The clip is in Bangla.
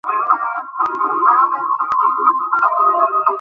ও শৈল, শৈল!